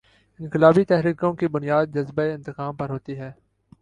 انقلابی تحریکوں کی بنیاد جذبۂ انتقام پر ہوتی ہے۔